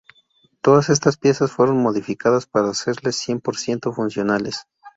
Todas estas piezas fueron modificadas para hacerles cien por ciento funcionales.